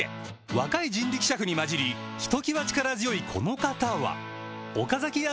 若い人力車夫に交じりひときわ力強いこの方は岡崎屋